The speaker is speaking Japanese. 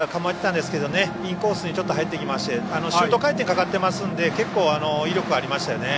キャッチャー構えてたんですけどインコースにちょっと入ってきましてシュート回転かかってますので結構威力ありましたよね。